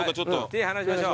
手離しましょう。